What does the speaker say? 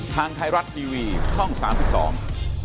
ทางไทยรัฐทีวีช่อง๓๒